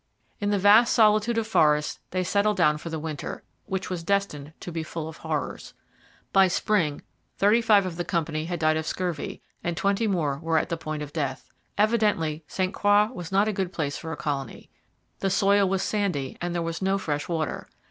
In the vast solitude of forest they settled down for the winter, which was destined to be full of horrors. By spring thirty five of the company had died of scurvy and twenty more were at the point of death. Evidently St Croix was not a good place for a colony. The soil was sandy and there was no fresh water.